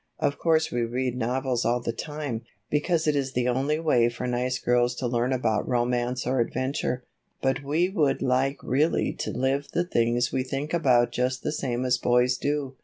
Of course we read novels all the time, because it is the only way for nice girls to learn about romance or adventure, but we would like really to live the things we think about just the same as boys do.